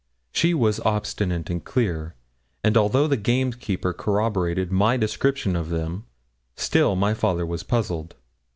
She was obstinate and clear; and although the gamekeeper corroborated my description of them, still my father was puzzled.